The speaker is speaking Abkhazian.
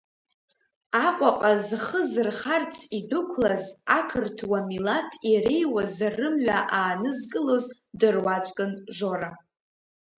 Аҟәаҟа зхы зырхарц идәықәлаз ақырҭуа милаҭ иреиуаз рымҩа аанызкылоз дыруаӡәкын Жора.